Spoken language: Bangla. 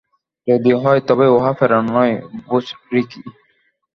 যদি হয়, তবে উহা প্রেরণা নয়, বুজরুকি।